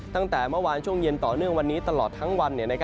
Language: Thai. ตั้งแต่เมื่อวานช่วงเย็นต่อเนื่องวันนี้ตลอดทั้งวัน